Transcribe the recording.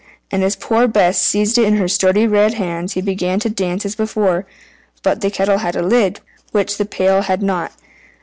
and as poor Bess seized it in her sturdy red hands he began to dance as before. But the kettle had a lid, which the pail had not.